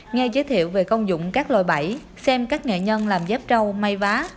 nghe giới thiệu về công dụng các lòi bẫy xem các nghệ nhân làm dép râu may vá